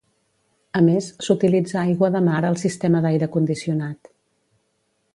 A més, s'utilitza aigua de mar al sistema d'aire condicionat.